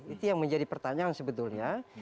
itu yang menjadi pertanyaan sebetulnya